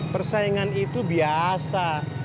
persaingan itu biasa